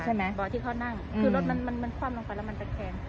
ใช่ไหมเบาะที่เขานั่งอืมคือรถมันมันมันคว่ำลงไปแล้วมันจะแข็ง